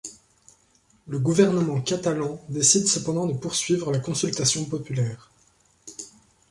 Le gouvernement catalan décide cependant de poursuivre la consultation populaire.